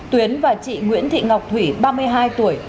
tuyến và chị nguyễn thị ngọc thủy ba mươi hai tuổi